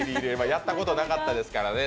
やったことなかったですからね。